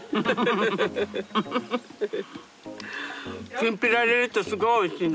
きんぴら入れるとすごいおいしいの。